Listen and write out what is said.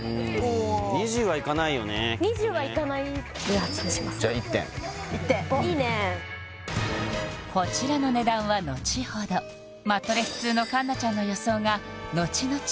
うーん２０はいかないよねきっとね２０はいかない１８にしますかじゃあ１点１点いいねこちらの値段は後ほどマットレス通の環奈ちゃんの予想がのちのち